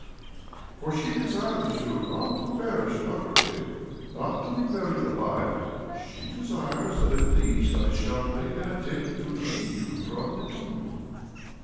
For she desires you not to perish utterly, not to be buried aUve ; she desires that at least I shall make an attempt to dig you from the tomb."